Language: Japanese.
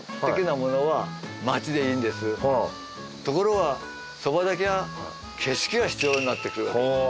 ところがそばだけは景色が必要になってくるわけです。